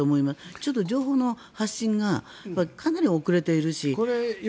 ちょっと情報の発信がかなり遅れているし。